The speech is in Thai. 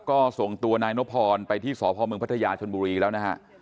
ก็ส่งตัวนายนพรไปที่สพเมืองพัทยาชนบุรีแล้วนะฮะ